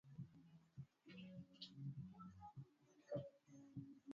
andaa matembele yako kwa usafi